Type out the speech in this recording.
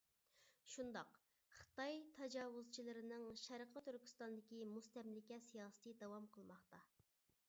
شۇنداق خىتاي تاجاۋۇزچىلىرىنىڭ «شەرقى تۈركىستان»دىكى مۇستەملىكە سىياسىتى داۋام قىلماقتا.